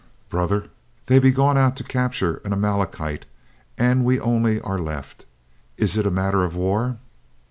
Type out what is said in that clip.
"Brother, they be gone out to capture an Amale kite, and we only are left. Is it a matter of war?"